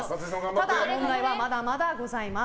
ただ、問題はまだまだございます。